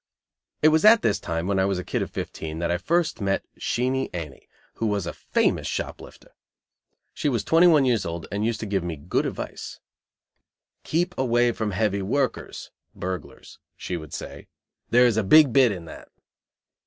It was at this time, when I was a kid of fifteen, that I first met Sheenie Annie, who was a famous shop lifter. She was twenty one years old, and used to give me good advice. "Keep away from heavy workers," (burglars) she would say; "there is a big bit in that."